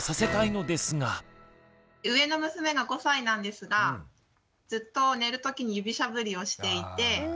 上の娘が５歳なんですがずっと寝るときに指しゃぶりをしていて。